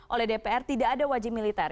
oleh dpr tidak ada wajib militer